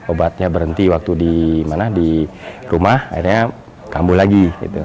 obatnya berhenti waktu di rumah akhirnya kambuh lagi